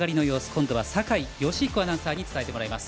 今度は、酒井良彦アナウンサーに伝えてもらいます。